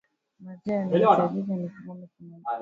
maziwa yanayohitajika ni kikombe kimoja